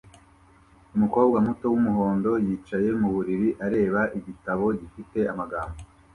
Umukobwa muto wumuhondo yicaye muburiri areba igitabo gifite amagambo